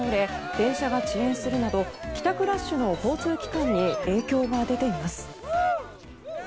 電車が遅延するなど帰宅ラッシュの交通機関に影響が出ています。